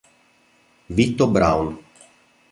Vitto Brown